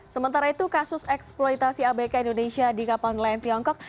sementara itu kasus eksploitasi abk indonesia di kapal nelayan tiongkok